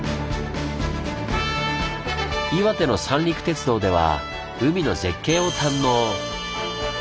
岩手の三陸鉄道では海の絶景を堪能。